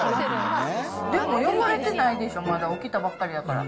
でも汚れてないでしょ、まだ、起きたばっかりやから。